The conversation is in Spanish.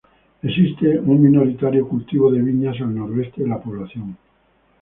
Existe un minoritario cultivo de viñas al noroeste de la población.